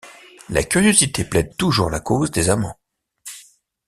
La curiosité plaide toujours la cause des amants.